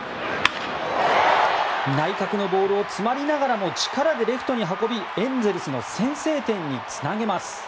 内角のボールを詰まりながらも力でレフトに運びエンゼルスの先制点につなげます。